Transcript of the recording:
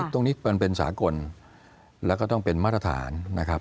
ตรงนี้เป็นสากลแล้วก็ต้องเป็นมาตรฐาน